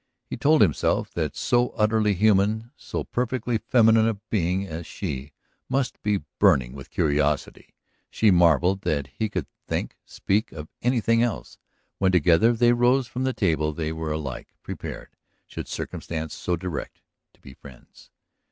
He told himself that so utterly human, so perfectly feminine a being as she must be burning with curiosity; she marvelled that he could think, speak of anything else. When together they rose from the table they were alike prepared, should circumstance so direct, to be friends.